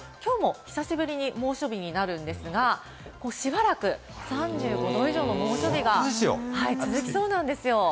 きょうも久しぶりに猛暑日になるんですが、しばらく３５度以上の猛暑日が続きそうなんですよ。